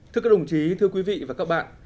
thưa các đồng chí thưa quý vị và các bạn